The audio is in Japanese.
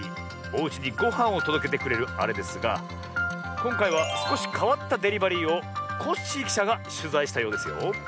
おうちにごはんをとどけてくれるあれですがこんかいはすこしかわったデリバリーをコッシーきしゃがしゅざいしたようですよ。